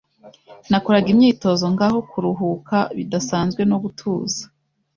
Nakoraga imyitozo ngaho kuruhuka bidasanzwe no gutuza